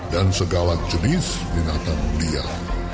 dan segala jenis binatang liar